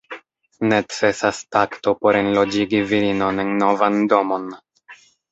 Necesas takto por enloĝigi virinon en novan domon.